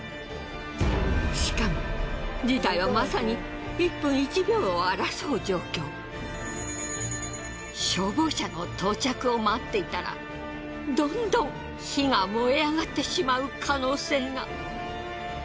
しかも事態はまさに消防車の到着を待っていたらどんどん火が燃え上がってしまう可能性が。